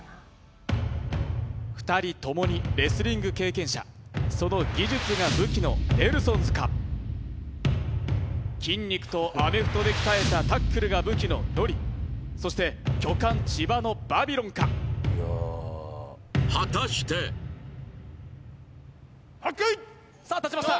二人ともにレスリング経験者その技術が武器のネルソンズか筋肉とアメフトで鍛えたタックルが武器のノリそして巨漢千葉のバビロンか果たしてはっけよい立ちました